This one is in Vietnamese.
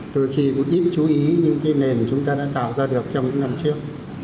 đôi khi cũng ít chú ý những cái nền chúng ta đã tạo ra được trong những năm trước